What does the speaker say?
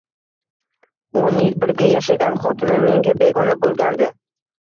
O'n yil birga yashagan xotinim menga begona bo‘lgandi